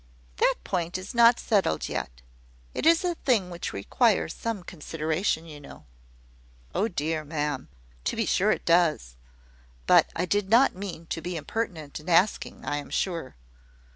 "That point is not settled yet. It is a thing which requires some consideration, you know." "Oh, dear, ma'am! to be sure it does: but I did not mean to be impertinent in asking, I am sure.